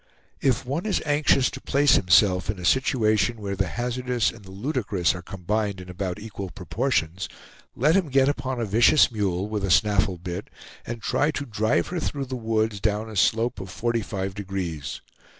If one is anxious to place himself in a situation where the hazardous and the ludicrous are combined in about equal proportions, let him get upon a vicious mule, with a snaffle bit, and try to drive her through the woods down a slope of 45 degrees.